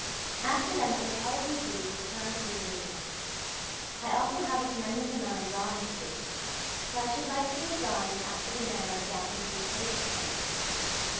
After them it will probably be the turn of the arenas. I also have a tremendous amount of drawing to do; for I should like to make drawings after the manner of Japanese crape prints.